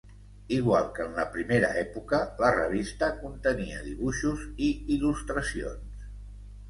Igual que en la primera època la revista contenia dibuixos i il·lustracions.